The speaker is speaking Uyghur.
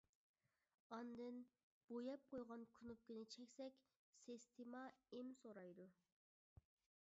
ئاندىن، بوياپ قويغان كۇنۇپكىنى چەكسەك، سىستېما ئىم سورايدۇ.